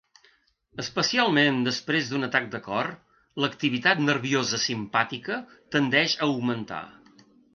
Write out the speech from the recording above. Especialment després d'un atac de cor, l'activitat nerviosa simpàtica tendeix a augmentar.